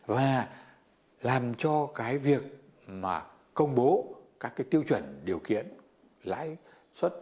và làm cho việc công bố các tiêu chuẩn điều kiện lãi suất